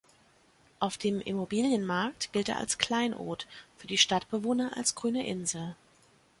Auf dem Immobilienmarkt gilt er als Kleinod, für die Stadtbewohner als „grüne Insel“.